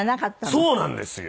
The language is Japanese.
そうなんですよ。